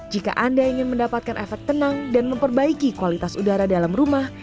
jika anda ingin mendapatkan efek tenang dan memperbaiki kualitas udara dalam rumah